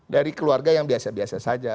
dari keluarga yang biasa biasa saja